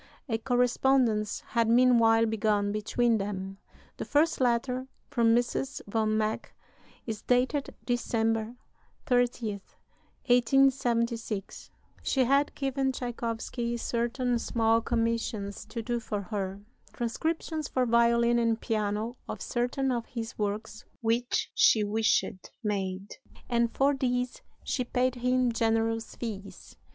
A correspondence had meanwhile begun between them (the first letter, from Mrs. von Meck, is dated December 30, 1876); she had given Tschaikowsky certain small commissions to do for her transcriptions for violin and piano of certain of his works which she wished made and for these she paid him generous fees.